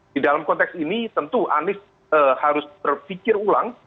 di dalam konteks ini tentu anies harus berpikir ulang